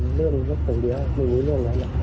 เถอะเรื่องตัวเดียวไม่มีเรื่องนั้นอ่ะ